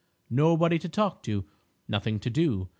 Nobody to talk to. Nothing to do.